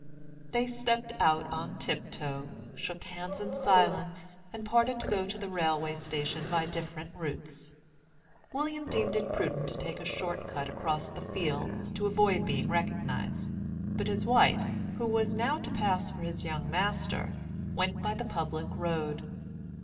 They stepped out on tiptoe, shook hands in silence, and parted to go to the railway station by different routes. William deemed it prudent to take a short cut across the fields, to avoid being recognized; but his wife, who was now to pass for his young master, went by the public road.